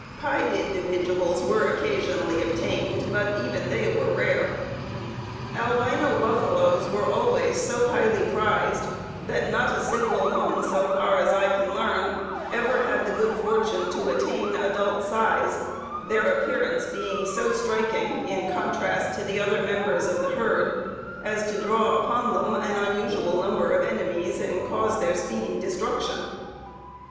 Pied individuals were occasionally obtained, but even they were rare. Albino buffaloes were always so highly prized that not a single one, so far as I can learn, ever had the good fortune to attain adult size, their appearance being so striking, in contrast with the other members of the herd, as to draw upon them an unusual number of enemies, and cause their speedy destruction.